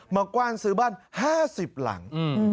กว้านซื้อบ้าน๕๐หลัง